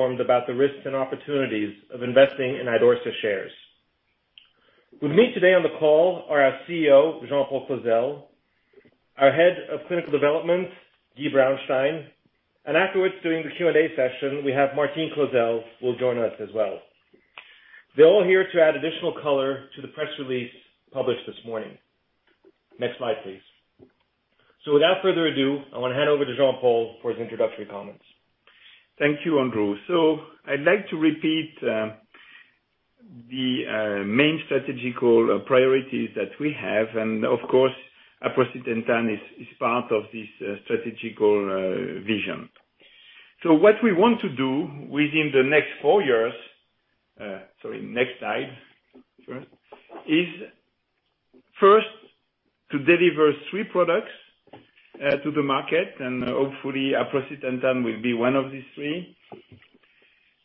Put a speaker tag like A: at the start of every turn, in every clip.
A: informed about the risks and opportunities of investing in Idorsia shares. With me today on the call are our CEO, Jean-Paul Clozel, our Head of Clinical Development, Guy Braunstein, and afterwards, during the Q&A session, we have Martine Clozel will join us as well. They're all here to add additional color to the press release published this morning. Next slide, please. Without further ado, I want to hand over to Jean-Paul for his introductory comments.
B: Thank you, Andrew. I'd like to repeat the main strategical priorities that we have, and of course, aprocitentan is part of this strategical vision. What we want to do within the next four years, sorry, next slide, is first to deliver three products to the market, and hopefully aprocitentan will be one of the three.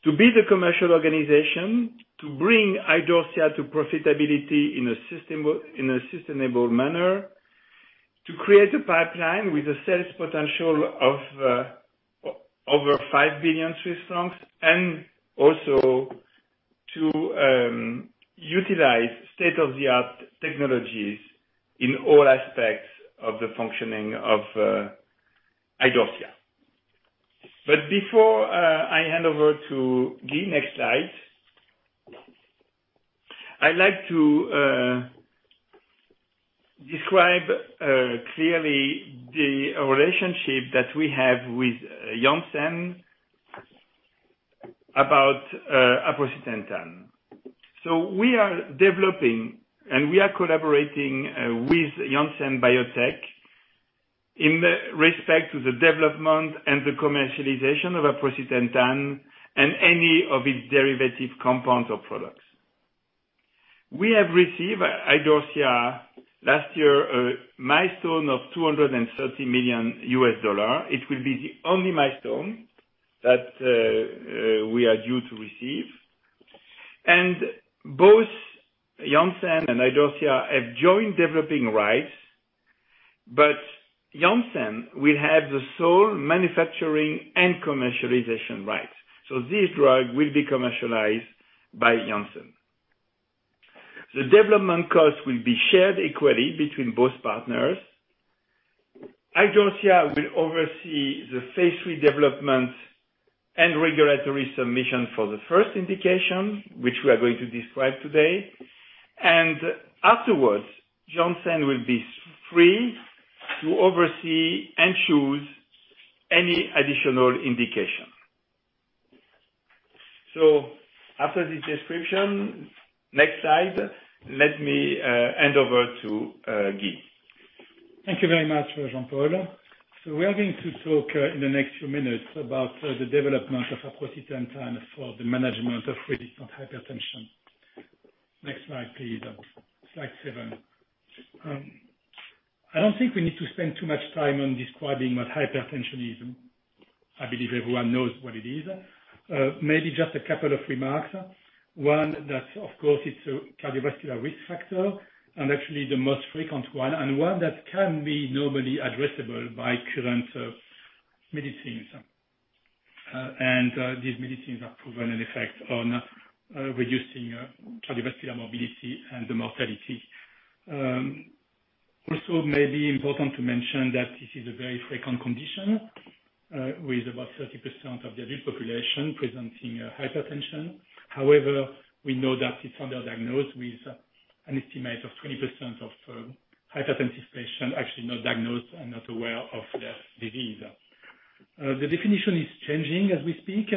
B: To build a commercial organization. To bring Idorsia to profitability in a sustainable manner. To create a pipeline with a sales potential of over 5 billion Swiss francs, and also to utilize state-of-the-art technologies in all aspects of the functioning of Idorsia. Before I hand over to Guy, next slide, I'd like to describe clearly the relationship that we have with Janssen about aprocitentan. We are developing and we are collaborating with Janssen Biotech in respect to the development and the commercialization of aprocitentan and any of its derivative compounds or products. We have received at Idorsia last year a milestone of $230 million. It will be the only milestone that we are due to receive. Both Janssen and Idorsia have joint developing rights, but Janssen will have the sole manufacturing and commercialization rights. This drug will be commercialized by Janssen. The development cost will be shared equally between both partners. Idorsia will oversee the phase III development and regulatory submission for the first indication, which we are going to describe today. Afterwards, Janssen will be free to oversee and choose any additional indication. After this description, next slide, let me hand over to Guy.
C: Thank you very much, Jean-Paul. We are going to talk in the next few minutes about the development of aprocitentan for the management of resistant hypertension. Next slide, please. Slide seven. I don't think we need to spend too much time on describing what hypertension is. I believe everyone knows what it is. Maybe just a couple of remarks. One, that, of course, it's a cardiovascular risk factor and actually the most frequent one, and one that can be normally addressable by current medicines. These medicines have proven an effect on reducing cardiovascular morbidity and mortality. Also maybe important to mention that this is a very frequent condition, with about 30% of the adult population presenting hypertension. However, we know that it's underdiagnosed, with an estimate of 20% of hypertensive patients actually not diagnosed and not aware of their disease. The definition is changing as we speak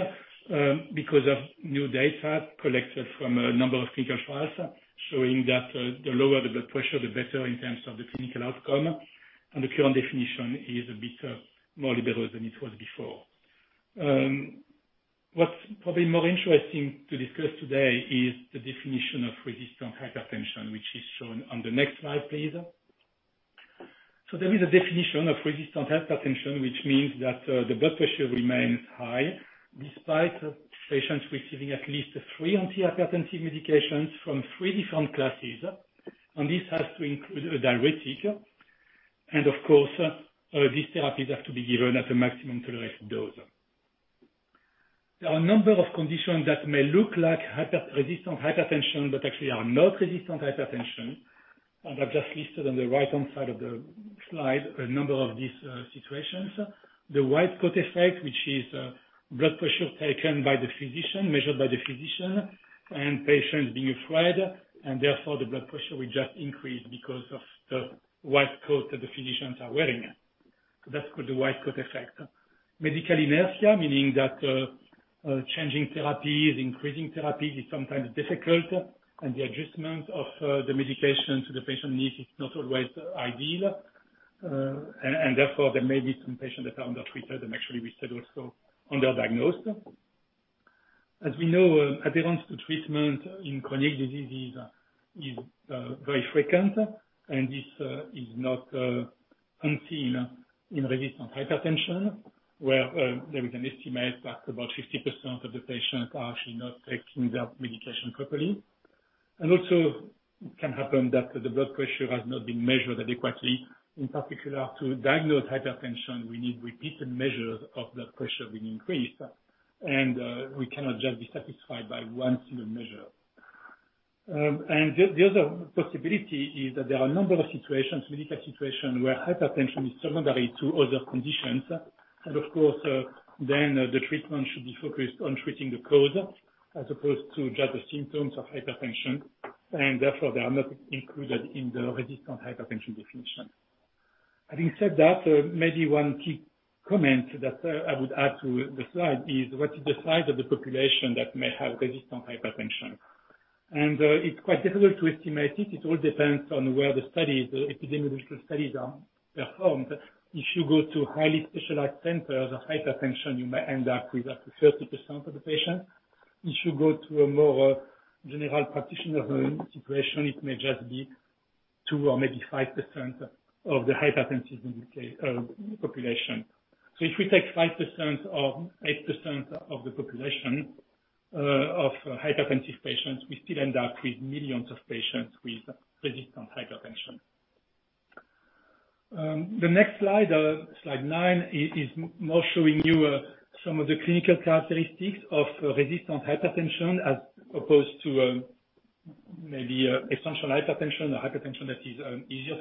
C: because of new data collected from a number of clinical trials showing that the lower the blood pressure, the better in terms of the clinical outcome, and the current definition is a bit more liberal than it was before. What's probably more interesting to discuss today is the definition of resistant hypertension, which is shown on the next slide, please. There is a definition of resistant hypertension, which means that the blood pressure remains high despite patients receiving at least three antihypertensive medications from three different classes, and this has to include a diuretic. Of course, these therapies have to be given at the maximum tolerated dose. There are a number of conditions that may look like resistant hypertension, but actually are not resistant hypertension. I've just listed on the right-hand side of the slide a number of these situations. The white coat effect, which is blood pressure taken by the physician, measured by the physician, and patients being afraid, and therefore the blood pressure will just increase because of the white coat that the physicians are wearing. That's called the white coat effect. Medical inertia, meaning that changing therapies, increasing therapies, is sometimes difficult, and the adjustment of the medication to the patient need is not always ideal. Therefore, there may be some patients that are undertreated and actually we said also underdiagnosed. As we know, adherence to treatment in chronic diseases is very frequent, and this is not unseen in resistant hypertension, where there is an estimate that about 50% of the patients are actually not taking their medication properly. Also it can happen that the blood pressure has not been measured adequately. In particular, to diagnose hypertension, we need repeated measures of blood pressure with increase. We cannot just be satisfied by one single measure. The other possibility is that there are a number of medical situations where hypertension is secondary to other conditions. Of course, then the treatment should be focused on treating the cause as opposed to just the symptoms of hypertension, and therefore they are not included in the resistant hypertension definition. Having said that, maybe one key comment that I would add to the slide is what is the size of the population that may have resistant hypertension? It's quite difficult to estimate it. It all depends on where the epidemiological studies are performed. If you go to highly specialized centers of hypertension, you may end up with up to 30% of the patients. If you go to a more general practitioner room situation, it may just be 2% or maybe 5% of the hypertensive population. If we take 5% or 8% of the population of hypertensive patients, we still end up with millions of patients with resistant hypertension. The next slide nine, is now showing you some of the clinical characteristics of resistant hypertension as opposed to maybe essential hypertension or hypertension that is easier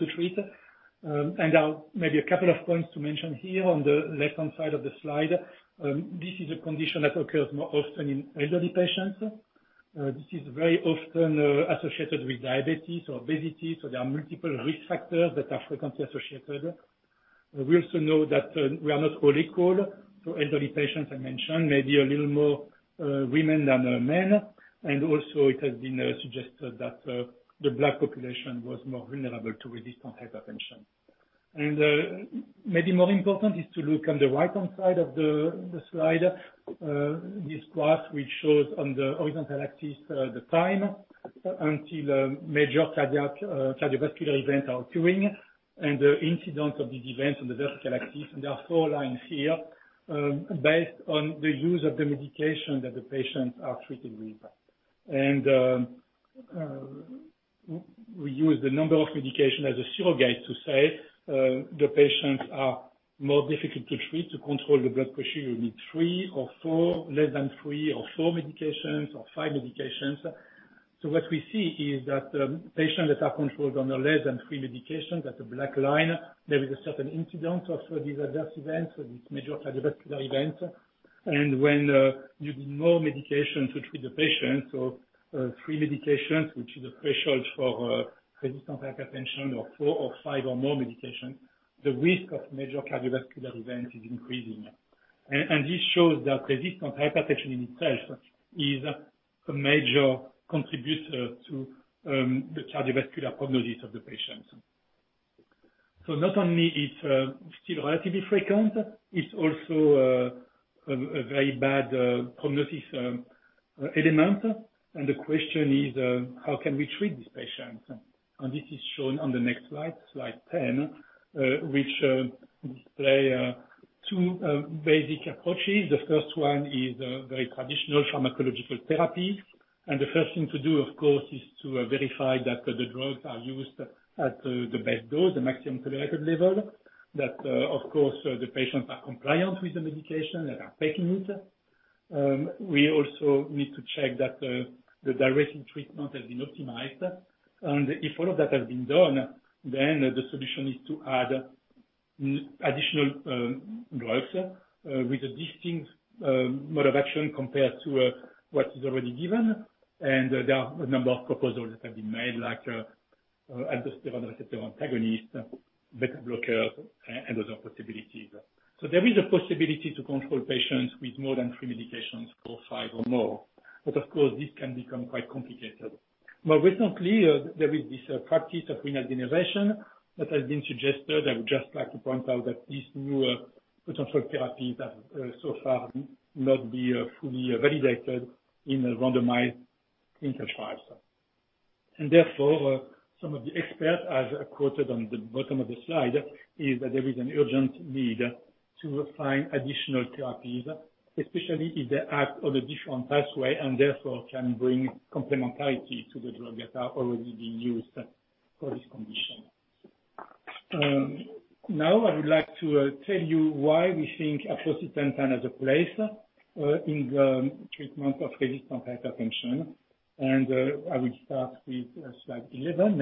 C: to treat. Now maybe a couple of points to mention here on the left-hand side of the slide. This is a condition that occurs more often in elderly patients. This is very often associated with diabetes or obesity, so there are multiple risk factors that are frequently associated. We also know that we are not all equal. Elderly patients, I mentioned, maybe a little more women than men, and also it has been suggested that the Black population was more vulnerable to resistant hypertension. Maybe more important is to look on the right-hand side of the slide. This graph, which shows on the horizontal axis, the time until major cardiovascular events are occurring and the incidence of these events on the vertical axis and there are four lines here, based on the use of the medication that the patients are treated with. We use the number of medication as a surrogate to say the patients are more difficult to treat. To control the blood pressure, you need less than three or four medications or five medications. What we see is that patients that are controlled on less than three medications, that's a black line, there is a certain incidence of these adverse events or these major cardiovascular events. When you need more medications to treat the patient, three medications, which is a threshold for resistant hypertension, or four or five or more medications, the risk of major cardiovascular events is increasing. This shows that resistant hypertension in itself is a major contributor to the cardiovascular prognosis of the patients. Not only it's still relatively frequent, it's also a very bad prognosis element and the question is, how can we treat these patients? This is shown on the next slide 10, which display two basic approaches. The first one is very traditional pharmacological therapy, the first thing to do, of course, is to verify that the drugs are used at the best dose, the maximum tolerated level, that, of course, the patients are compliant with the medication and are taking it. We also need to check that the duration treatment has been optimized and if all of that has been done, the solution is to add additional drugs with a distinct mode of action compared to what is already given. There are a number of proposals that have been made, like angiotensin receptor antagonist, beta blocker, and other possibilities. There is a possibility to control patients with more than three medications or five or more. Of course, this can become quite complicated. More recently, there is this practice of renal denervation that has been suggested. I would just like to point out that these newer potential therapies have so far not been fully validated in randomized control trials. Therefore, some of the experts, as quoted on the bottom of the slide, is that there is an urgent need to find additional therapies, especially if they act on a different pathway and therefore can bring complementarity to the drugs that are already being used for this condition. Now I would like to tell you why we think aprocitentan has a place in the treatment of resistant hypertension and I will start with slide 11,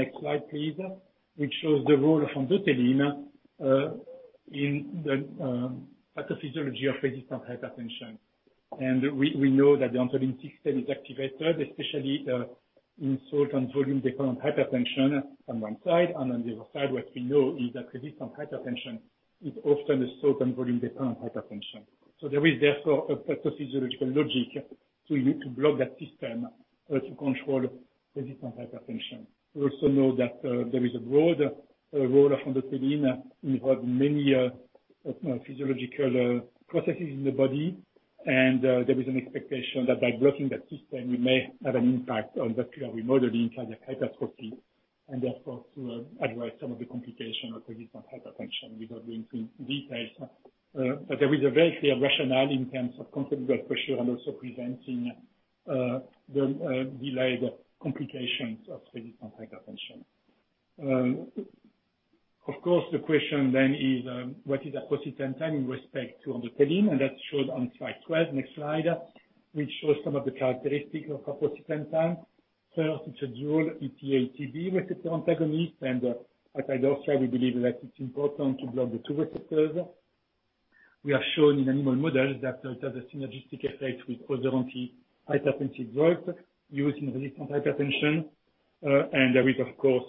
C: which shows the role of endothelin in the pathophysiology of resistant hypertension. Next slide, please. We know that the endothelin system is activated especially in salt and volume-dependent hypertension on one side and on the other side, what we know is that resistant hypertension is often a salt and volume-dependent hypertension. There is therefore a pathophysiological logic to block that system to control resistant hypertension. We also know that there is a broad role of endothelin, involved in many physiological processes in the body, and there is an expectation that by blocking that system, we may have an impact on vascular remodeling, cardiac hypertrophy. Therefore, to address some of the complications of resistant hypertension without going through details. There is a very clear rationale in terms of controlling blood pressure and also preventing the delayed complications of resistant hypertension. The question is, what is aprocitentan in respect to amlodipine? That's shown on slide 12. Next slide. Which shows some of the characteristics of aprocitentan. First, it's a dual ETA/ETB receptor antagonist. At Idorsia, we believe that it's important to block the two receptors. We have shown in animal models that it has a synergistic effect with other anti-hypertensive drugs used in resistant hypertension. There is, of course,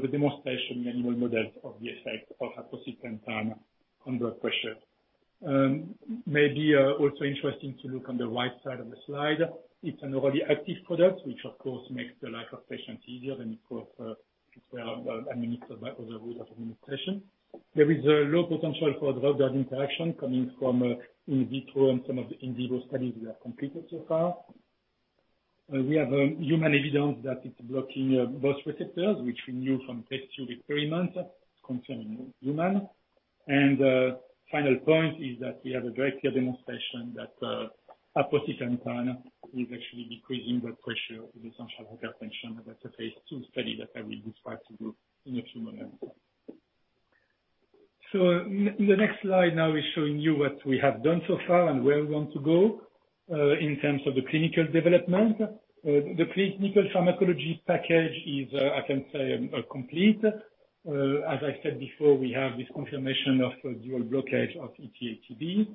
C: the demonstration in animal models of the effect of aprocitentan on blood pressure. Maybe also interesting to look on the right side of the slide. It's an orally active product, which of course makes the life of patients easier than, of course, if they are administered by other routes of administration. There is a low potential for drug interaction coming from in vitro and some of the in vivo studies we have completed so far. We have human evidence that it's blocking both receptors, which we knew from test tube experiments concerning human. Final point is that we have a direct demonstration that aprocitentan is actually decreasing blood pressure in essential hypertension. That's a phase II study that I will describe to you in a few moments. The next slide now is showing you what we have done so far and where we want to go in terms of the clinical development. The preclinical pharmacology package is, I can say, complete. As I said before, we have this confirmation of dual blockage of ETA/ETB.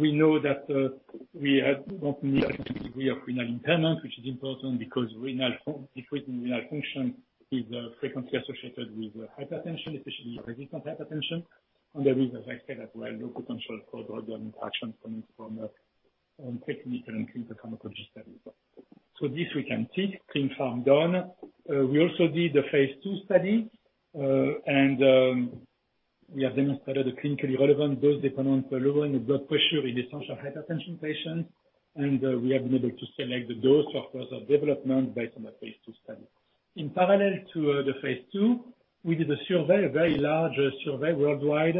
C: We know that we have a degree of renal impairment, which is important because decrease in renal function is frequently associated with hypertension, especially resistant hypertension. There is, as I said, as well, low potential for drug interaction coming from preclinical and clinical pharmacology studies. This we can tick, clinical pharmacology done. We also did a phase II study, and we have demonstrated a clinically relevant dose-dependent lowering of blood pressure in essential hypertension patients. We have been able to select the dose for further development based on the phase II study. In parallel to the phase II, we did a survey, a very large survey worldwide,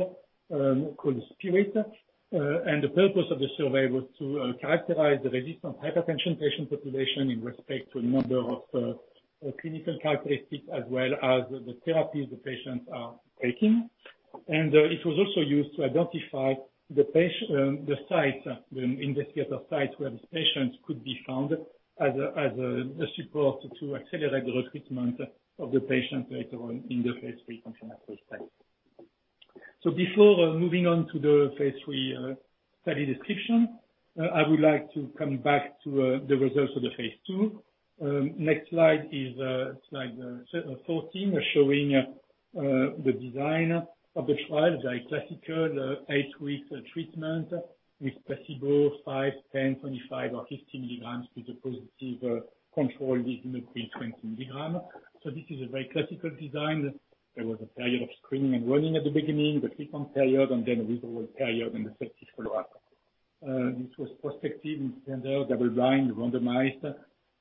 C: called SPIRIT. The purpose of the survey was to characterize the resistant hypertension patient population in respect to a number of clinical characteristics, as well as the therapies the patients are taking. It was also used to identify the investigator sites where these patients could be found as a support to accelerate the recruitment of the patients later on in the phase III clinical study. Before moving on to the phase III study description, I would like to come back to the results of the phase II. Next slide is slide 14, showing the design of the trial, very classical, 8-week treatment with placebo, 5, 10, 25 or 50 milligrams with the positive control lisinopril 20 milligrams. This is a very classical design. There was a period of screening and learning at the beginning, the treatment period, and then a withdrawal period, and the safety follow-up. This was prospective in standard, double blind, randomized.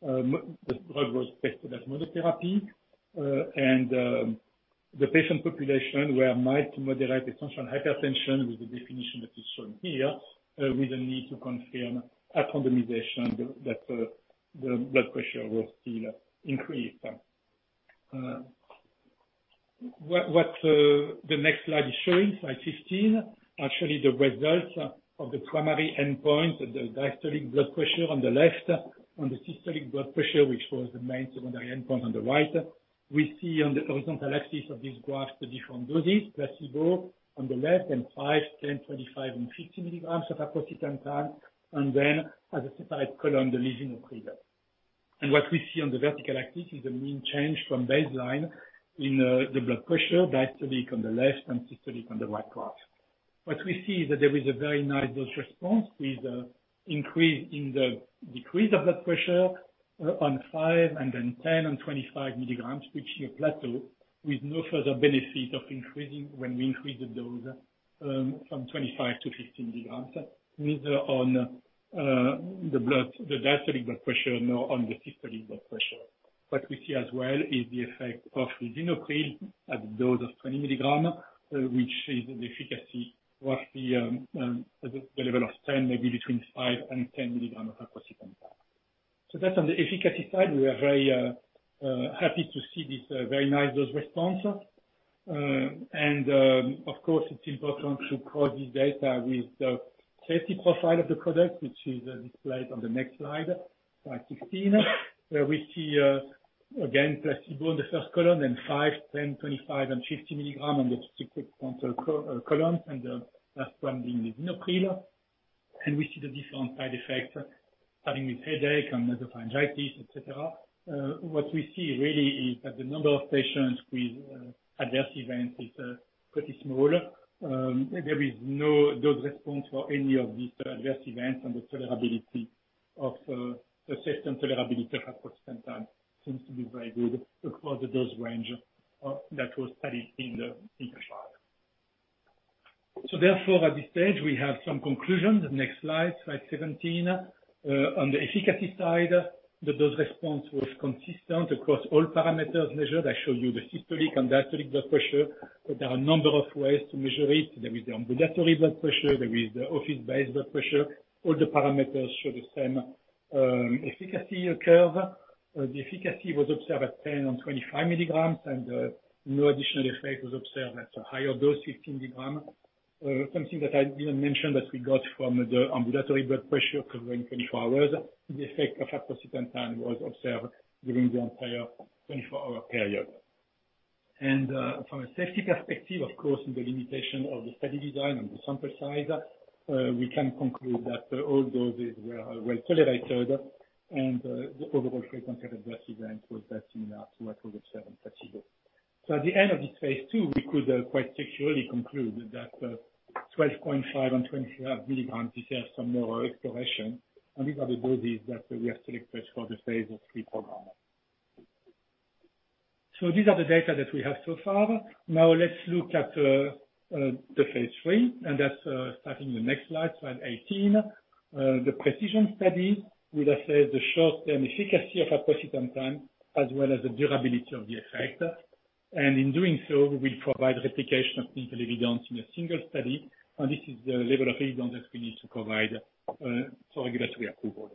C: The drug was tested as monotherapy. The patient population were mild to moderate essential hypertension with the definition that is shown here, with a need to confirm at randomization that the blood pressure was still increased. What the next slide is showing, slide 15, actually the results of the primary endpoint, the diastolic blood pressure on the left, and the systolic blood pressure, which was the main secondary endpoint on the right. We see on the horizontal axis of this graph the different doses, placebo on the left, 5, 10, 25, and 50 milligrams of aprocitentan, and then as a separate column, the lisinopril. What we see on the vertical axis is the mean change from baseline in the blood pressure, diastolic on the left and systolic on the right graph. What we see is that there is a very nice dose response with a decrease in blood pressure on 5 and then 10 and 25 milligrams, reaching a plateau with no further benefit of increasing when we increase the dose from 25 to 50 milligrams, neither on the diastolic blood pressure nor on the systolic blood pressure. What we see as well is the effect of lisinopril at the dose of 20 milligrams, which is the efficacy, roughly the level of 10, maybe between 5 and 10 milligrams of aprocitentan. That's on the efficacy side. We are very happy to see this very nice dose response. Of course, it's important to cross this data with the safety profile of the product, which is displayed on the next slide 16, where we see again, placebo in the first column, then 5, 10, 25, and 50 milligrams on the subsequent columns, and the last one being lisinopril. We see the different side effects, starting with headache and nasopharyngitis, et cetera. What we see really is that the number of patients with adverse events is pretty small. There is no dose response for any of these adverse events and the tolerability of the system. Tolerability for aprocitentan seems to be very good across the dose range that was studied in the trial. Therefore, at this stage, we have some conclusions. Next slide 17. On the efficacy side, the dose response was consistent across all parameters measured. I show you the systolic and diastolic blood pressure, but there are a number of ways to measure it. There is the ambulatory blood pressure, there is the office-based blood pressure. All the parameters show the same efficacy curve. The efficacy was observed at 10 and 25 milligrams, and no additional effect was observed at a higher dose, 50 milligrams. Something that I didn't mention that we got from the ambulatory blood pressure covering 24 hours, the effect of aprocitentan was observed during the entire 24-hour period. From a safety perspective, of course, with the limitation of the study design and the sample size, we can conclude that all doses were well-tolerated, and the overall frequency of adverse events was very similar to what was observed in placebo. At the end of this phase II, we could quite securely conclude that, 12.5 and 25 milligrams deserves some more exploration. These are the doses that we have selected for the phase III program. These are the data that we have so far. Let's look at the phase III, and that's starting the next slide 18. The PRECISION study will assess the short-term efficacy of aprocitentan, as well as the durability of the effect. In doing so, we'll provide replication of clinical evidence in a single study, and this is the level of evidence that we need to provide for regulatory approval.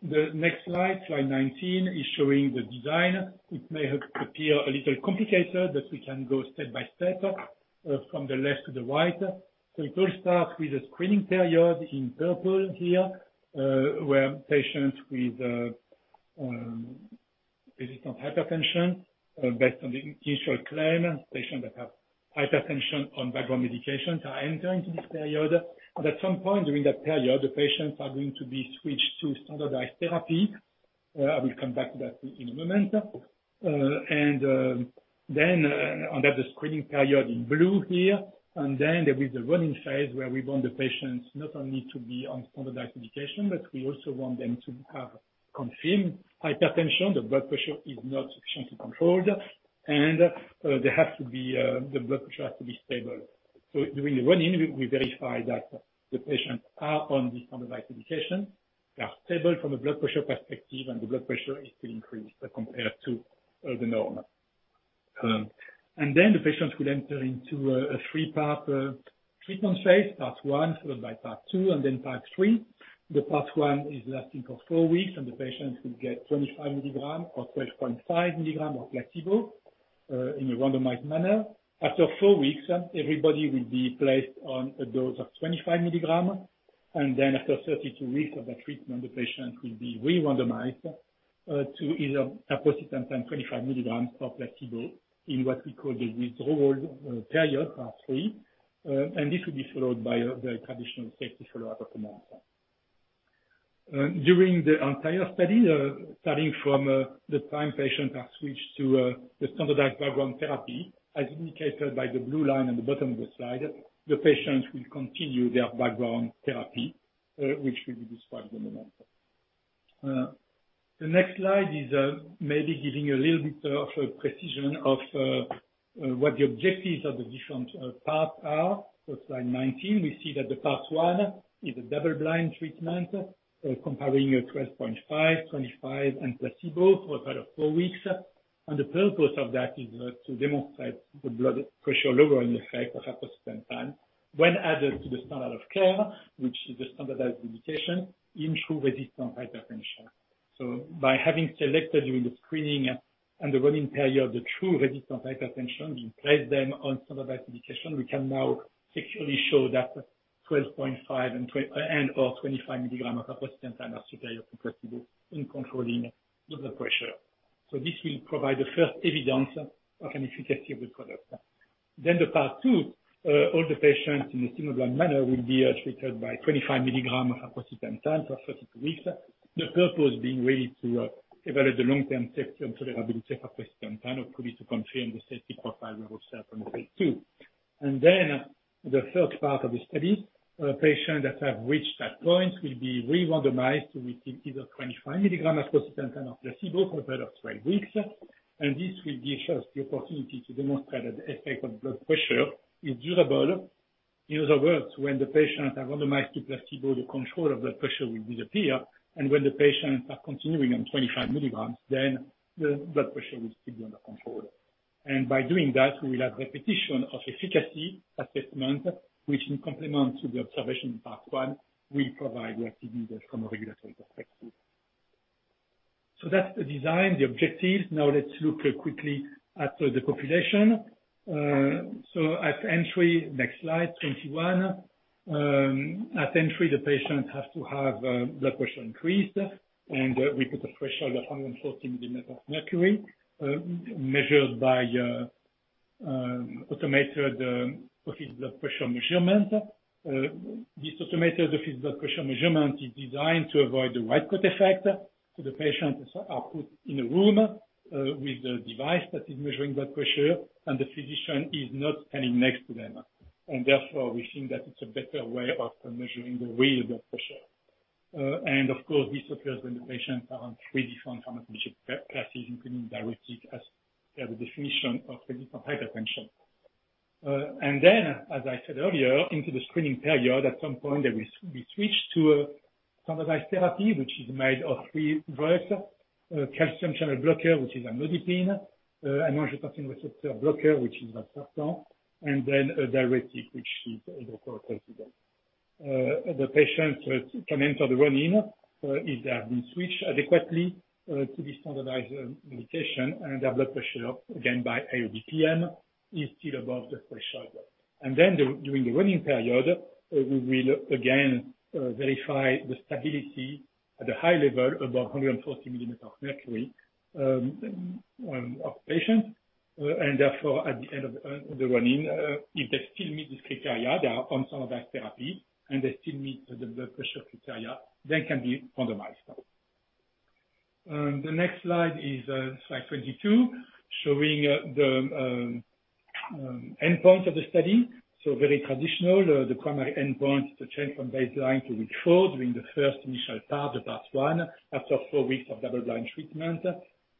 C: The next slide 19, is showing the design. It may appear a little complicated, but we can go step by step, from the left to the right. It will start with a screening period in purple here, where patients with resistant hypertension, based on the initial claim, patients that have hypertension on background medications, are entering to this period. At some point during that period, the patients are going to be switched to standardized therapy. I will come back to that in a moment. Under the screening period in blue here, there is a running phase where we want the patients not only to be on standardized medication, but we also want them to have confirmed hypertension. The blood pressure is not sufficiently controlled, and the blood pressure has to be stable. During the running, we verify that the patients are on the standardized medication, they are stable from a blood pressure perspective, and the blood pressure is still increased compared to the norm. The patients will enter into a three-part, treatment phase, part 1, followed by part 2, and then part 3. Part 1 is lasting for 4 weeks, and the patients will get 25 milligrams or 12.5 milligrams of placebo, in a randomized manner. After 4 weeks, everybody will be placed on a dose of 25 milligrams. After 32 weeks of that treatment, the patient will be re-randomized, to either aprocitentan 25 milligrams or placebo, in what we call the withdrawal period, part 3. This will be followed by the traditional safety follow-up of the month. During the entire study, starting from the time patients are switched to the standardized background therapy, as indicated by the blue line at the bottom of the slide, the patients will continue their background therapy, which will be described in a moment. The next slide is maybe giving a little bit of a precision of what the objectives of the different parts are. Slide 19, we see that part 1 is a double blind treatment, comparing 12.5, 25, and placebo for a period of 4 weeks. The purpose of that is to demonstrate the blood pressure lowering effect of aprocitentan when added to the standard of care, which is the standardized medication, in true resistant hypertension. By having selected during the screening and the running period, the true resistant hypertension, we place them on standardized medication. We can now securely show that 12.5 and/or 25 mg of aprocitentan are superior to placebo in controlling blood pressure. This will provide the first evidence of an efficacy of the product. The part two, all the patients in a single blind manner will be treated by 25 mg of aprocitentan for 32 weeks. The purpose being really to evaluate the long-term safety and tolerability of aprocitentan, and probably to confirm the safety profile we observed from phase II. The third part of the study, patients that have reached that point will be re-randomized to receive either 25 mg aprocitentan or placebo for a period of 12 weeks. This will give us the opportunity to demonstrate that the effect on blood pressure is durable. In other words, when the patients are randomized to placebo, the control of blood pressure will disappear, when the patients are continuing on 25 mg, the blood pressure will still be under control. By doing that, we will have repetition of efficacy assessment, which in complement to the observation in part one, will provide the activity from a regulatory perspective. That's the design, the objectives. Let's look quickly at the population. At entry, next slide, 21. At entry, the patient has to have blood pressure increased, and we put a threshold of 140 millimeter of mercury, measured by automated office blood pressure measurement. This automated office blood pressure measurement is designed to avoid the white coat effect. The patients are put in a room, with a device that is measuring blood pressure, and the physician is not standing next to them. Therefore, we think that it's a better way of measuring the real blood pressure. Of course, this occurs when the patients are on three different pharmacologic classes, including diuretic, as the definition of resistant hypertension. Then, as I said earlier, into the screening period, at some point, they will be switched to a standardized therapy, which is made of three drugs, a calcium channel blocker, which is amlodipine, angiotensin receptor blocker, which is olmesartan, a diuretic, which is hydrochlorothiazide. The patients can enter the run-in if they have been switched adequately to the standardized medication and their blood pressure, again by ABPM, is still above the threshold. During the run-in period, we will again verify the stability at a high level, above 140 millimeters of mercury of patients. Therefore, at the end of the run-in, if they still meet this criteria, they are on some of that therapy, and they still meet the blood pressure criteria, they can be randomized. The next slide is slide 22, showing the endpoint of the study. Very traditional. The primary endpoint, the change from baseline to week four during the first initial part, the part one, after four weeks of double-blind treatment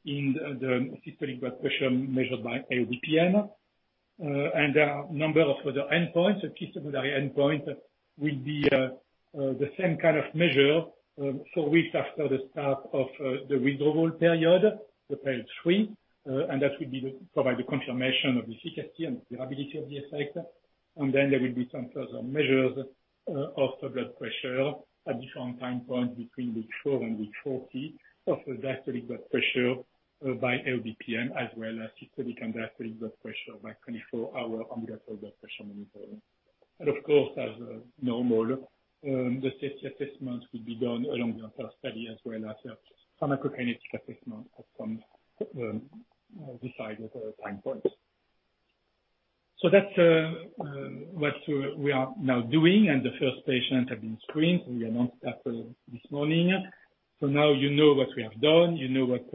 C: in the systolic blood pressure measured by ABPM. There are a number of other endpoints. A key secondary endpoint will be the same kind of measure four weeks after the start of the withdrawal period, the period three, that will provide the confirmation of efficacy and durability of the effect. Then there will be some further measures of the blood pressure at different time points between week four and week 40 of diastolic blood pressure by ABPM, as well as systolic and diastolic blood pressure by 24-hour ambulatory blood pressure monitoring. Of course, as normal, the safety assessments will be done along the entire study, as well as pharmacokinetics assessment at some decided time points. That's what we are now doing, and the first patients have been screened. We announced that this morning. Now you know what we have done, you know what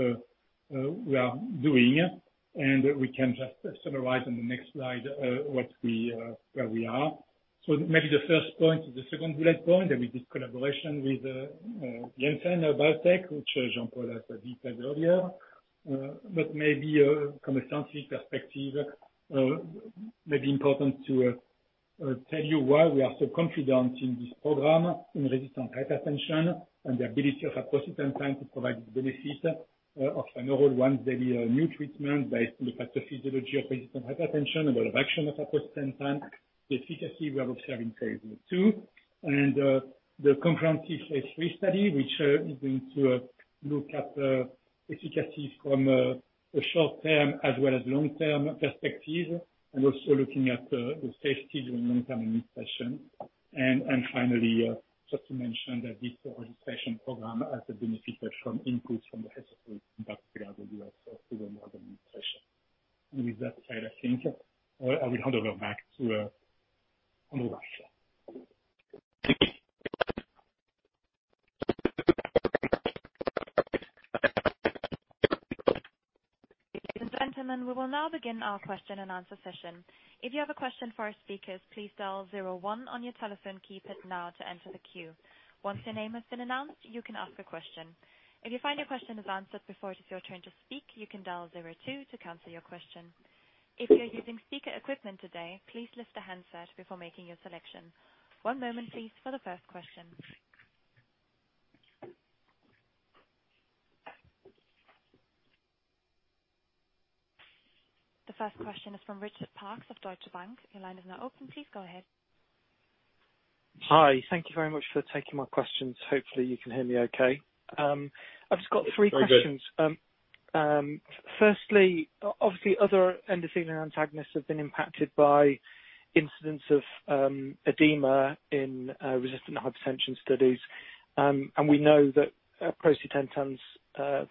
C: we are doing, and we can just summarize on the next slide where we are. Maybe the first point is the second bullet point. There will be collaboration with Janssen and Idorsia, which Jean-Paul has detailed earlier. Maybe from a scientific perspective, maybe important to tell you why we are so confident in this program in resistant hypertension and the ability of aprocitentan to provide the benefit of an oral once-daily new treatment based on the pathophysiology of resistant hypertension, the mode of action of aprocitentan, the efficacy we have observed in phase II. The comprehensive phase III study, which is going to look at the efficacy from a short-term as well as long-term perspective, and also looking at the safety during long-term administration. Finally, just to mention that this whole hypertension program has benefited from inputs from the
D: Gentlemen, we will now begin our question and answer session. If you have a question for our speakers, please dial zero one on your telephone keypad now to enter the queue. Once your name has been announced, you can ask a question. If you find your question is answered before it is your turn to speak, you can dial zero two to cancel your question. If you are using speaker equipment today, please lift the handset before making your selection. One moment please for the first question. The first question is from Richard Parkes of Deutsche Bank. Your line is now open. Please go ahead.
E: Hi. Thank you very much for taking my questions. Hopefully, you can hear me okay.
C: Very good.
E: I've just got three questions. Firstly, obviously, other endothelin antagonists have been impacted by incidents of edema in resistant hypertension studies. We know that aprocitentan's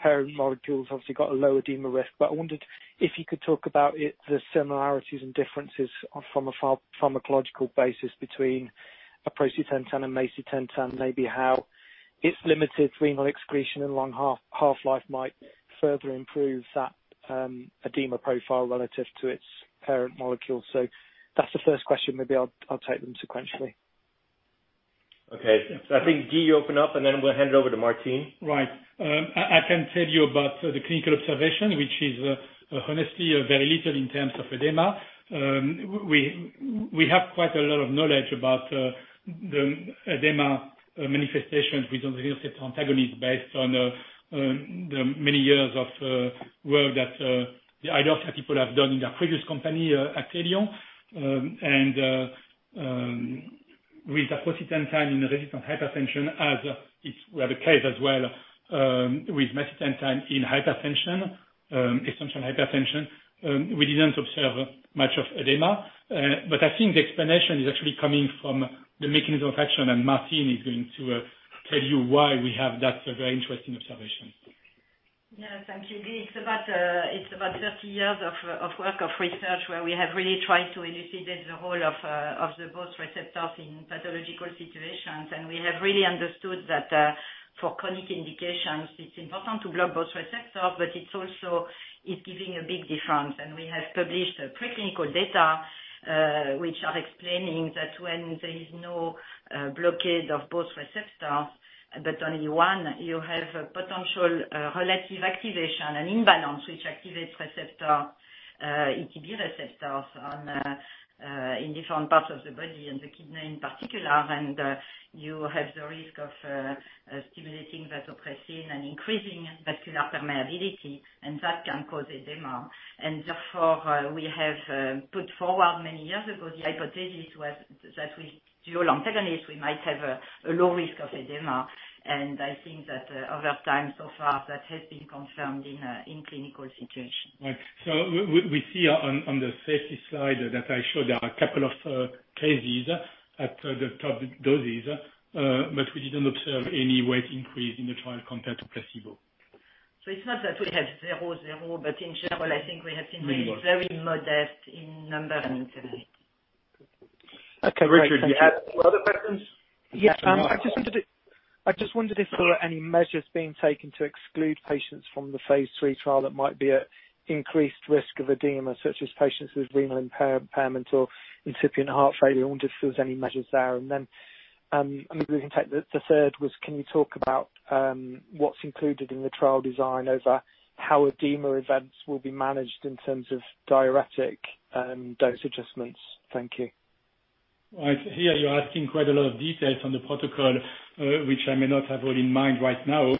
E: parent molecule's obviously got a low edema risk, but I wondered if you could talk about the similarities and differences from a pharmacological basis between aprocitentan and macitentan, maybe how its limited renal excretion and long half-life might further improve that edema profile relative to its parent molecule. That's the first question. Maybe I'll take them sequentially.
B: Okay. I think, Guy, you open up, and then we'll hand it over to Martine.
C: Right. I can tell you about the clinical observation, which is honestly very little in terms of edema. We have quite a lot of knowledge about the edema manifestations with endothelin receptor antagonist, based on the many years of work that the Idorsia people have done in their previous company, Actelion. With aprocitentan in resistant hypertension, as is the case as well with macitentan in hypertension, essential hypertension, we didn't observe much of edema. I think the explanation is actually coming from the mechanism of action, and Martine is going to tell you why we have that very interesting observation.
F: Thank you, Guy. It's about 30 years of work, of research, where we have really tried to elucidate the role of the both receptors in pathological situations, and we have really understood that For chronic indications, it's important to block both receptors, but it's also giving a big difference. We have published preclinical data, which are explaining that when there is no blockade of both receptors, but only one, you have a potential relative activation, an imbalance which activates ETB receptors in different parts of the body and the kidney in particular. You have the risk of stimulating vasopressin and increasing vascular permeability, and that can cause edema. Therefore, we have put forward many years ago, the hypothesis was that with dual antagonist, we might have a low risk of edema. I think that over time, so far, that has been confirmed in clinical situations.
C: Right. We see on the safety slide that I showed, there are a couple of cases at the top doses. We didn't observe any weight increase in the trial compared to placebo.
F: It's not that we have zero, but in general, I think we have seen very
C: Right
F: very modest in number and in severity.
A: Okay, Richard, do you have some other questions?
E: Yes. I just wondered if there were any measures being taken to exclude patients from the phase III trial that might be at increased risk of edema, such as patients with renal impairment or incipient heart failure, or just if there's any measures there. I mean, we can take the third was, can you talk about what's included in the trial design over how edema events will be managed in terms of diuretic dose adjustments? Thank you.
C: Right. Here, you're asking quite a lot of details on the protocol, which I may not have all in mind right now.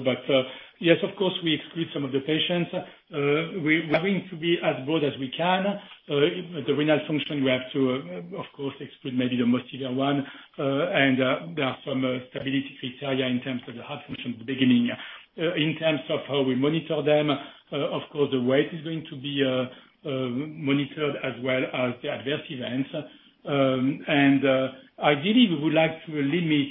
C: Yes, of course, we exclude some of the patients. We're going to be as broad as we can. The renal function, we have to, of course, exclude maybe the most severe one. There are some stability criteria in terms of the heart function at the beginning. In terms of how we monitor them, of course, the weight is going to be monitored as well as the adverse events. Ideally, we would like to limit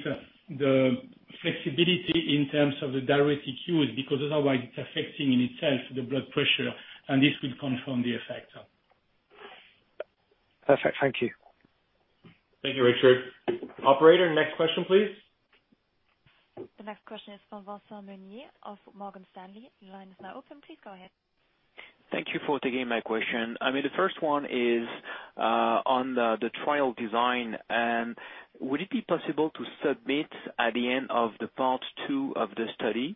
C: the flexibility in terms of the diuretic use, because otherwise it's affecting in itself the blood pressure, and this will confirm the effect.
E: Perfect. Thank you.
A: Thank you, Richard. Operator, next question, please.
D: The next question is from Vincent Meunier of Morgan Stanley. Line is now open. Please go ahead.
G: Thank you for taking my question. I mean, the first one is on the trial design. Would it be possible to submit at the end of the part 2 of the study?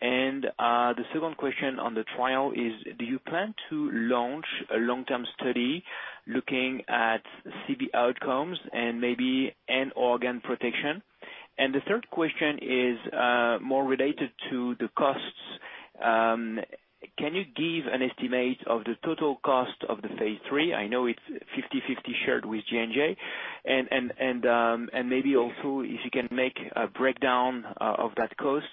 G: The second question on the trial is, do you plan to launch a long-term study looking at CV outcomes and maybe end organ protection? The third question is more related to the costs. Can you give an estimate of the total cost of the phase III? I know it's 50/50 shared with J&J. Maybe also if you can make a breakdown of that cost.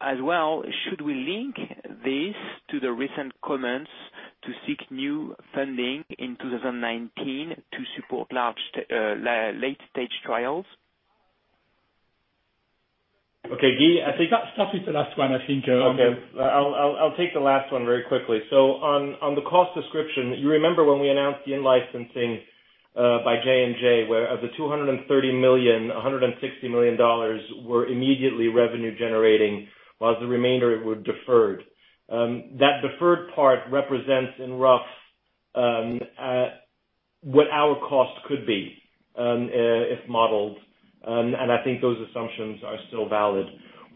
G: As well, should we link this to the recent comments to seek new funding in 2019 to support large late-stage trials?
A: Okay, Guy, I think that's probably the last one, I think. Okay. I'll take the last one very quickly. On the cost description, you remember when we announced the in-licensing by J&J, where of the $230 million, $160 million were immediately revenue generating, while the remainder were deferred. That deferred part represents in rough what our cost could be if modeled. I think those assumptions are still valid.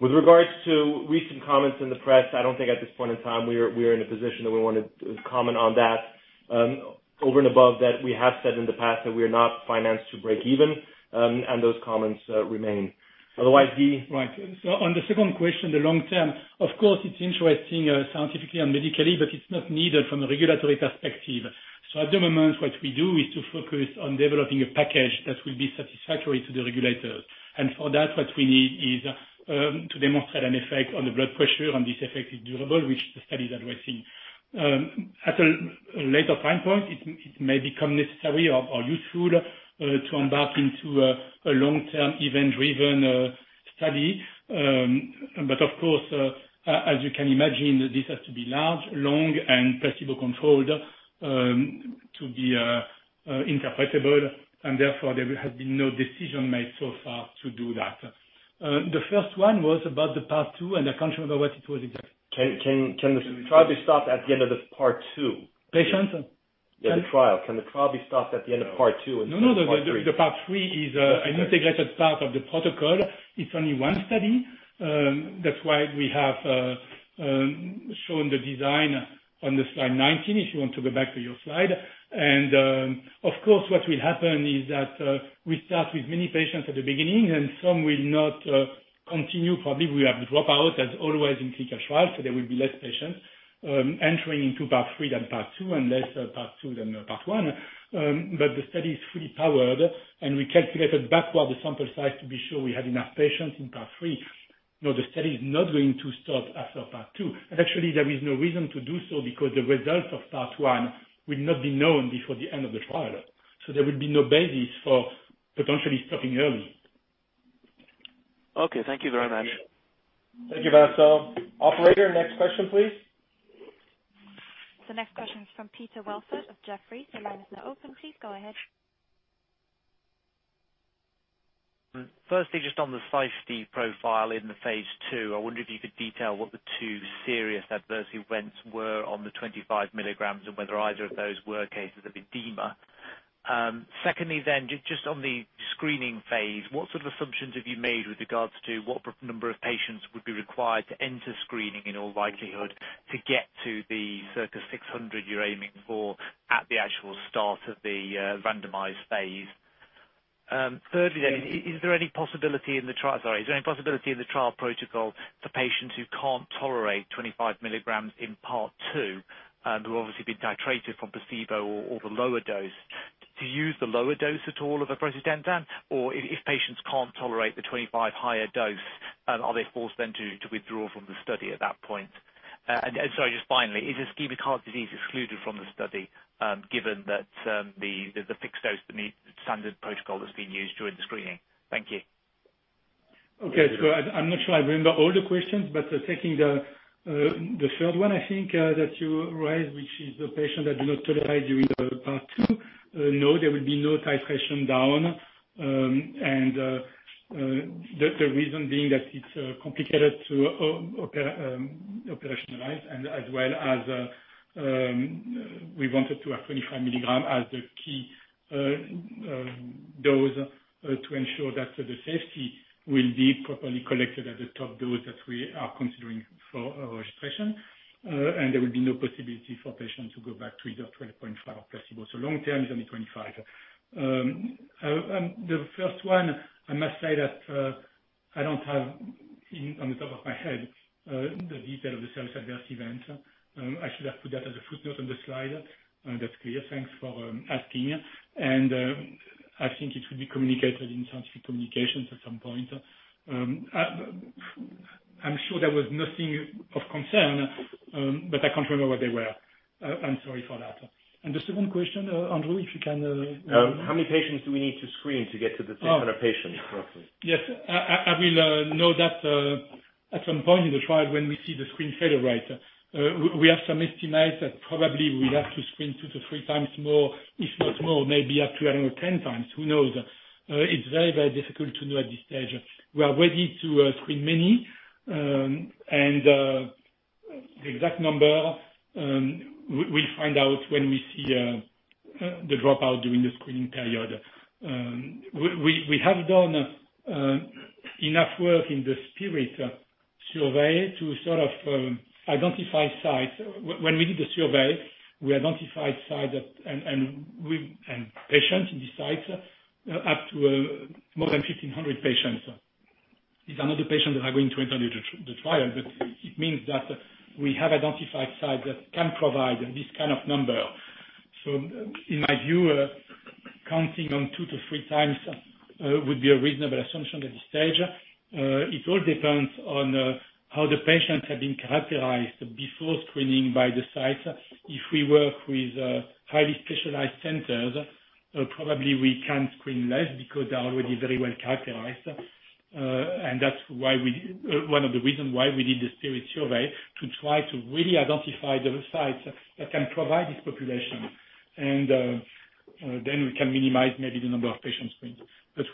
A: With regards to recent comments in the press, I don't think at this point in time we are in a position that we want to comment on that. Over and above that, we have said in the past that we are not financed to break even, and those comments remain. Otherwise, Guy?
C: Right. On the second question, the long-term, of course, it's interesting scientifically and medically, it's not needed from a regulatory perspective. At the moment, what we do is to focus on developing a package that will be satisfactory to the regulators. For that, what we need is to demonstrate an effect on the blood pressure, and this effect is durable, which the study is addressing. At a later time point, it may become necessary or useful to embark into a long-term event-driven study. Of course, as you can imagine, this has to be large, long, and placebo-controlled to be interpretable, and therefore there has been no decision made so far to do that. The first one was about the part two, and I can't remember what it was exactly.
A: Can the trial be stopped at the end of the part two?
C: Patients?
A: Can the trial be stopped at the end of part two instead of part three?
C: No. The part three is an integrated part of the protocol. It's only one study. That's why we have shown the design on the slide 19, if you want to go back to your slide. Of course, what will happen is that we start with many patients at the beginning, and some will not continue. Probably we have the dropouts as always in clinical trials, so there will be less patients entering into part three than part two and less part two than part one. The study is fully powered, and we calculated backward the sample size to be sure we had enough patients in part three. No, the study is not going to stop after part two. Actually, there is no reason to do so because the results of part one will not be known before the end of the trial. There will be no basis for potentially stopping early.
G: Okay. Thank you very much.
A: Thank you, Vincent. Operator, next question, please.
D: The next question is from Peter Welford of Jefferies. Your line is now open. Please go ahead.
H: Firstly, just on the safety profile in the phase II, I wonder if you could detail what the two serious adverse events were on the 25 milligrams and whether either of those were cases of edema. Secondly, just on the screening phase, what sort of assumptions have you made with regards to what number of patients would be required to enter screening in all likelihood to get to the circa 600 you're aiming for at the actual start of the randomized phase? Thirdly, is there any possibility in the trial protocol for patients who can't tolerate 25 milligrams in part two, who will obviously be titrated from placebo or the lower dose, to use the lower dose at all of aprocitentan? If patients can't tolerate the 25 higher dose, are they forced then to withdraw from the study at that point? Sorry, just finally, is ischemic heart disease excluded from the study, given that there's a fixed dose that meets the standard protocol that's being used during the screening? Thank you.
C: Okay. I'm not sure I remember all the questions, taking the third one I think that you raised, which is the patient that do not tolerate during the part two. No, there will be no titration down. The reason being that it's complicated to operationalize and as well as we wanted to have 25 milligram as the key dose to ensure that the safety will be properly collected at the top dose that we are considering for our registration. There will be no possibility for patients to go back to either 12.5 or placebo. Long term is only 25. The first one, I must say that I don't have on the top of my head the detail of the serious adverse event. I should have put that as a footnote on the slide. That's clear. Thanks for asking. I think it will be communicated in scientific communications at some point. I'm sure that was nothing of concern, but I can't remember what they were. I'm sorry for that. The second question, Andrew, if you can.
A: How many patients do we need to screen to get to the 600 patients roughly?
C: Yes. I will know that at some point in the trial when we see the screen fail rate. We have some estimates that probably we'll have to screen two to three times more, if not more, maybe up to even 10 times. Who knows? It's very difficult to know at this stage. We are ready to screen many, the exact number, we'll find out when we see the dropout during the screening period. We have done enough work in the SPIRIT survey to sort of identify sites. We did the survey, we identified sites and patients in the sites up to more than 1,500 patients. These are not the patients that are going to enter the trial, but it means that we have identified sites that can provide this kind of number. In my view, counting on two to three times would be a reasonable assumption at this stage. It all depends on how the patients have been characterized before screening by the sites. If we work with highly specialized centers, probably we can screen less because they're already very well characterized. That's one of the reasons why we did the SPIRIT survey to try to really identify the sites that can provide this population. Then we can minimize maybe the number of patient screens.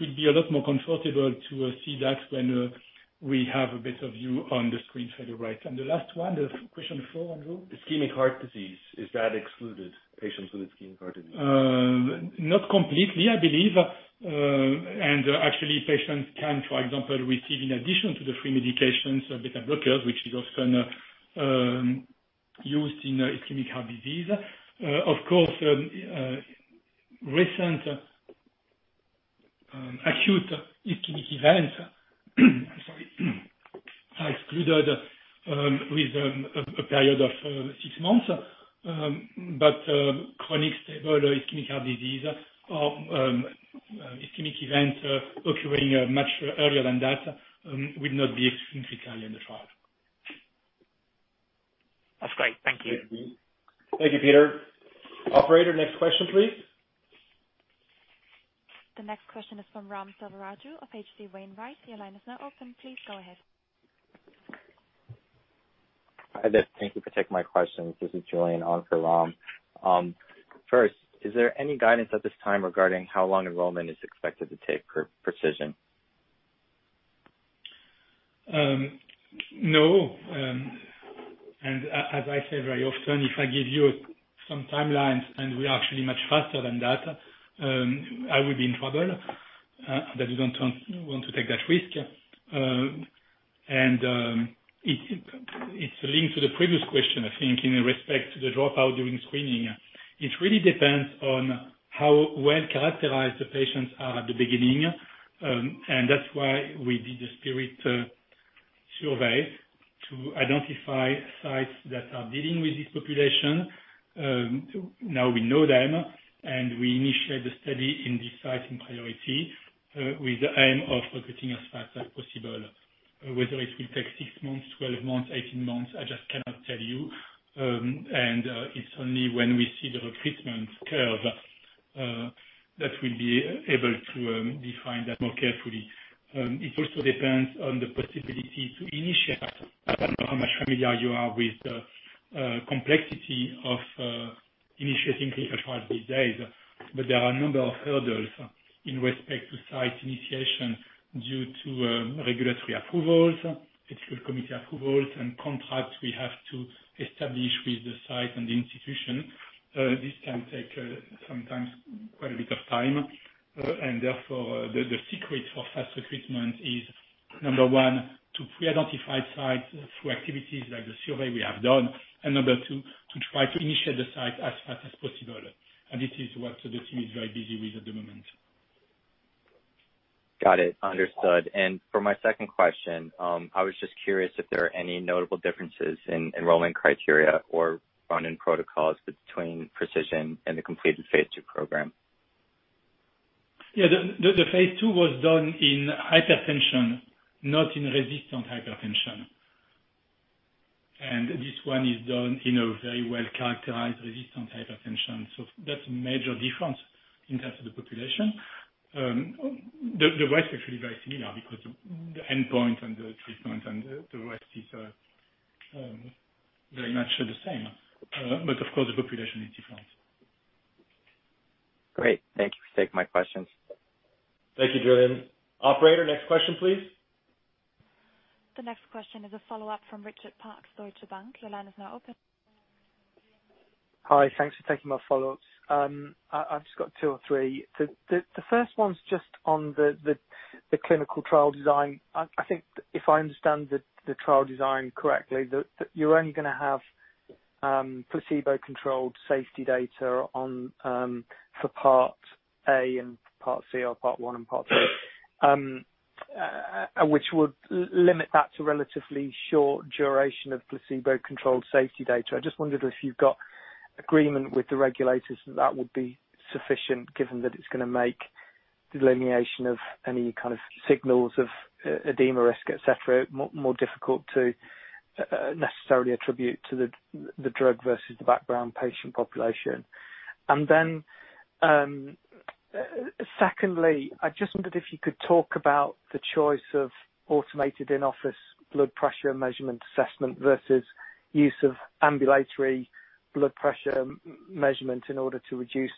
C: We'd be a lot more comfortable to see that when we have a better view on the screen failure rate. The last one, question four, Andrew?
A: ischemic heart disease. Is that excluded, patients with ischemic heart disease?
C: Not completely, I believe. Actually, patients can, for example, receive in addition to the free medications, beta blockers, which is often used in ischemic heart disease. Of course, recent acute ischemic events are excluded with a period of 6 months. Chronic stable ischemic heart disease or ischemic events occurring much earlier than that would not be excluded entirely in the trial.
H: That's great. Thank you.
A: Thank you, Peter. Operator, next question, please.
D: The next question is from Ram Selvaraju of H.C. Wainwright. Your line is now open. Please go ahead.
I: Hi there. Thank you for taking my questions. This is Julian on for Ram. First, is there any guidance at this time regarding how long enrollment is expected to take for PRECISION?
C: No. As I say very often, if I give you some timelines and we are actually much faster than that, I will be in trouble. I definitely don't want to take that risk. It's linked to the previous question, I think, in respect to the dropout during screening. It really depends on how well characterized the patients are at the beginning. That's why we did the SPIRIT survey to identify sites that are dealing with this population. Now we know them, and we initiate the study in these sites in priority with the aim of recruiting as fast as possible. Whether it will take 6 months, 12 months, 18 months, I just cannot tell you. It's only when we see the recruitment curve that we'll be able to define that more carefully. It also depends on the possibility to initiate. I don't know how much familiar you are with the complexity of initiating clinical trials these days, but there are a number of hurdles in respect to site initiation due to regulatory approvals, ethical committee approvals, and contracts we have to establish with the site and the institution. This can take quite a bit of time, and therefore, the secret for faster treatment is, number one, to pre-identify sites through activities like the survey we have done. Number two, to try to initiate the site as fast as possible, and this is what the team is very busy with at the moment.
I: Got it. Understood. For my second question, I was just curious if there are any notable differences in enrollment criteria or run-in protocols between PRECISION and the completed phase II program.
C: Yeah. The phase II was done in hypertension, not in resistant hypertension. This one is done in a very well-characterized resistant hypertension. That's a major difference in terms of the population. The rest is actually very similar because the endpoint and the treatment and the rest is very much the same. Of course, the population is different.
I: Great. Thank you for taking my questions.
A: Thank you, Julian. Operator, next question, please.
D: The next question is a follow-up from Richard Parkes, Deutsche Bank. Your line is now open.
E: Hi. Thanks for taking my follow-ups. I've just got two or three. The first one's just on the clinical trial design. I think if I understand the trial design correctly, that you're only going to have placebo-controlled safety data for part A and part C or part 1 and part 3, which would limit that to relatively short duration of placebo-controlled safety data. I just wondered if you've got agreement with the regulators that that would be sufficient given that it's going to make delineation of any kind of signals of edema risk, et cetera, more difficult to necessarily attribute to the drug versus the background patient population. Secondly, I just wondered if you could talk about the choice of automated in-office blood pressure measurement assessment versus use of ambulatory blood pressure measurement in order to reduce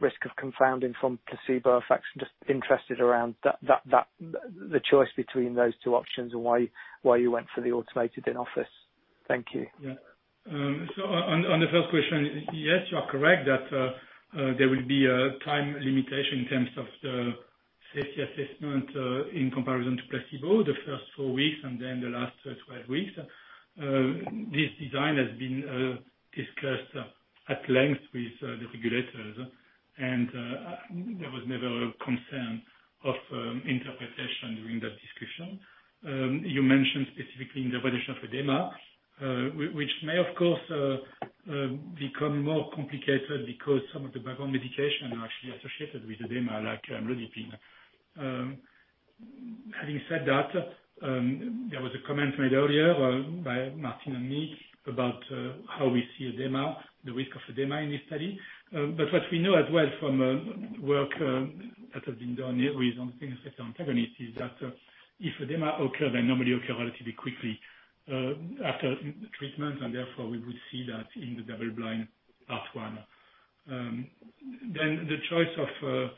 E: risk of confounding from placebo effects. Just interested around the choice between those two options and why you went for the automated in-office. Thank you.
C: Yeah. On the first question, yes, you are correct that there will be a time limitation in terms of the safety assessment, in comparison to placebo the first four weeks and then the last 12 weeks. This design has been discussed at length with the regulators, and there was never a concern of interpretation during that discussion. You mentioned specifically in the version of edema, which may of course become more complicated because some of the background medication are actually associated with edema, like amlodipine. Having said that, there was a comment made earlier by Martine and me about how we see edema, the risk of edema in this study. What we know as well from work that has been done with angiotensin antagonist is that if edema occur, they normally occur relatively quickly after treatment, and therefore, we would see that in the double blind part 1. The choice of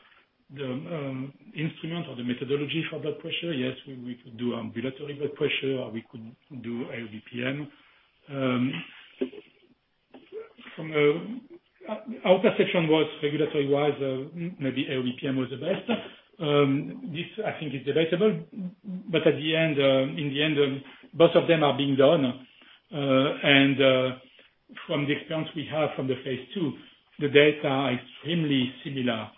C: the instrument or the methodology for blood pressure, yes, we could do ambulatory blood pressure, or we could do ABPM. From our perception was regulatory wise, maybe ABPM was the best. This, I think is debatable, but in the end, both of them are being done. From the experience we have from the phase II, the data are extremely similar.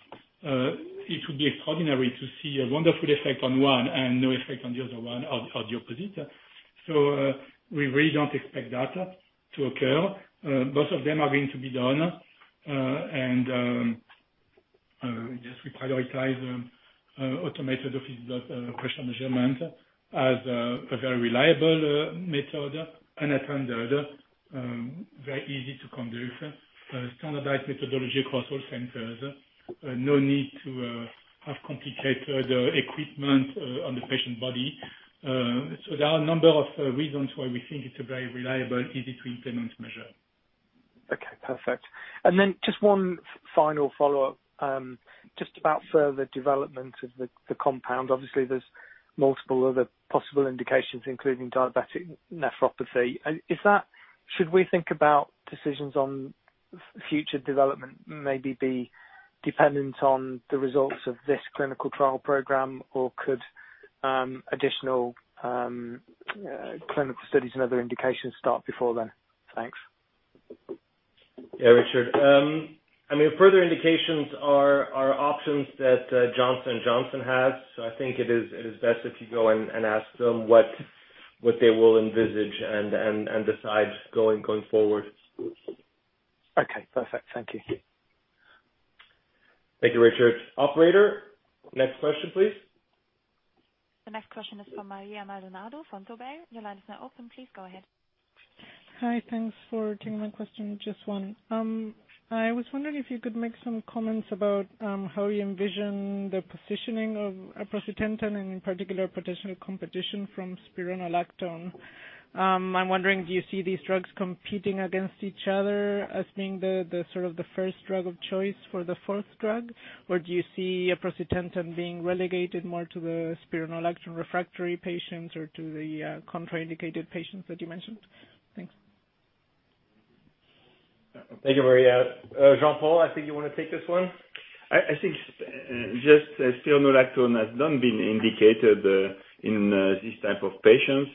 C: It would be extraordinary to see a wonderful effect on one and no effect on the other one, or the opposite. We really don't expect that to occur. Both of them are going to be done. Just we prioritize automated office blood pressure measurement as a very reliable method and a standard, very easy to conduct a standardized methodology across all centers. No need to have complicated equipment on the patient body. There are a number of reasons why we think it's a very reliable, easy to implement measure.
E: Okay, perfect. Just one final follow-up, just about further development of the compound. Obviously, there's multiple other possible indications, including diabetic nephropathy. Should we think about decisions on future development maybe be dependent on the results of this clinical trial program? Or could additional clinical studies and other indications start before then? Thanks.
A: Yeah, Richard. Further indications are options that Johnson & Johnson has. I think it is best if you go and ask them what they will envisage and decide going forward.
E: Okay, perfect. Thank you.
A: Thank you, Richard. Operator, next question, please.
D: The next question is from Maria Maldonado from [Sobey]. Your line is now open. Please go ahead.
J: Hi. Thanks for taking my question. Just one. I was wondering if you could make some comments about how you envision the positioning of aprocitentan and, in particular, potential competition from spironolactone. I'm wondering, do you see these drugs competing against each other as being the sort of the first drug of choice for the fourth drug? Or do you see aprocitentan being relegated more to the spironolactone refractory patients or to the contraindicated patients that you mentioned? Thanks.
A: Thank you, Maria. Jean-Paul, I think you want to take this one?
B: I think just spironolactone has not been indicated in these type of patients.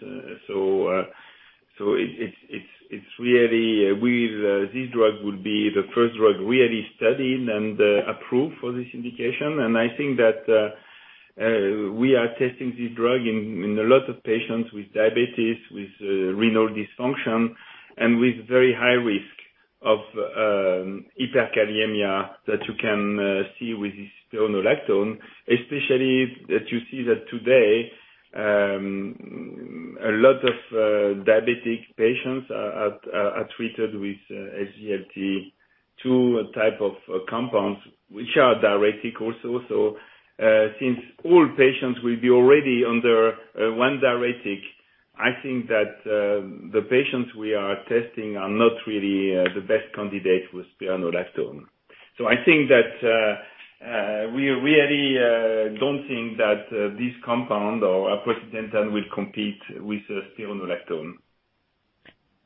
B: It's really, this drug will be the first drug really studied and approved for this indication. I think that we are testing this drug in a lot of patients with diabetes, with renal dysfunction, and with very high risk of hyperkalemia that you can see with spironolactone. Especially that you see that today, a lot of diabetic patients are treated with SGLT2 type of compounds, which are diuretic also. Since all patients will be already under one diuretic, I think that the patients we are testing are not really the best candidate with spironolactone. I think that we really don't think that this compound or aprocitentan will compete with spironolactone.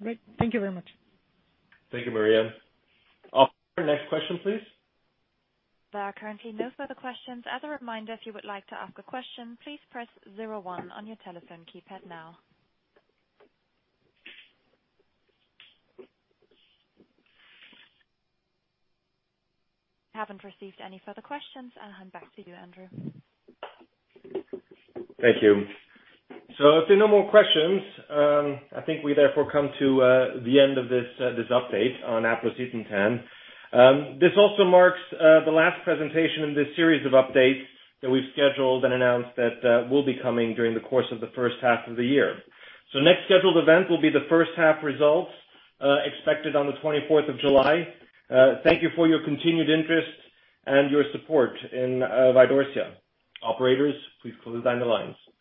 J: Great. Thank you very much.
A: Thank you, Maria. Operator, next question, please.
D: There are currently no further questions. As a reminder, if you would like to ask a question, please press 01 on your telephone keypad now. I haven't received any further questions. I'll hand back to you, Andrew.
A: Thank you. If there are no more questions, I think we therefore come to the end of this update on aprocitentan. This also marks the last presentation in this series of updates that we've scheduled and announced that will be coming during the course of the first half of the year. Next scheduled event will be the first half results, expected on the 24th of July. Thank you for your continued interest and your support in Idorsia. Operators, please close down the lines.